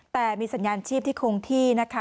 แต่มีสัญญาณชีพที่คงที่นะคะ